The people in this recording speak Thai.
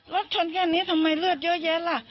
รถชนแค่นี้ทำไมเลือดเยอะแยะล่ะ